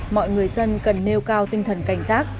mọi người dân cần nêu cao tinh thần cảnh giác